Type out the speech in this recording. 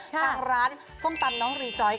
ทางร้านส้มตำน้องรีจอย